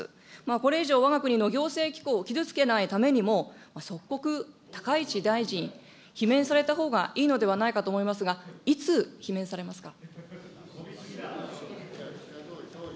これ以上、わが国の行政機構を傷つけないためにも、即刻、高市大臣、罷免されたほうがいいのではないかと思いますが、いつ罷免されますか。